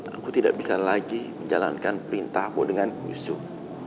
aku tidak bisa lagi menjalankan perintahmu dengan kusuk